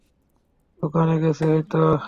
দোকানে গেছে হয়তো।